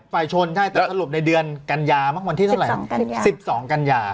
ชนใช่แต่สรุปในเดือนกัญญามักวันที่เท่าไหร่๑๒กันยา